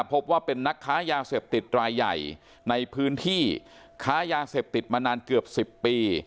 พบว่าเป็นนักค้ายาเสพติดรายใหญ่ในพื้นที่ค้ายาเสพติดมานานเกือบ๑๐ปี